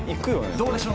どうでしょう？